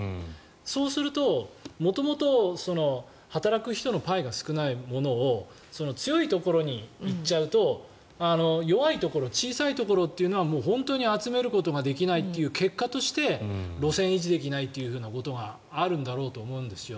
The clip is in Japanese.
そうすると、元々働く人のパイが少ないものを強いところに行っちゃうと弱いところ小さいところというのはもう本当に集めることができないという結果として路線維持できないということがあるんだろうと思うんですよ。